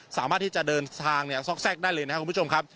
สามารถที่จะเดินทางซอกแทรกได้เลยนะครับคุณผู้ชมครับ